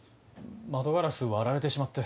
窓ガラス割られてしまって。